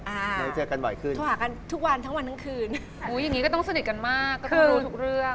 อ่าทุกวันทั้งวันทั้งคืนอุ้ยอย่างนี้ก็ต้องสนิทกันมากก็ต้องรู้ทุกเรื่อง